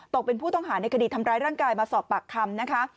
เป็นผู้ต้องหาในคดีทำร้ายร่างกายมาสอบปากคำนะคะ